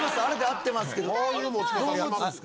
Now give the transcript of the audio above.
あれで合ってますけど。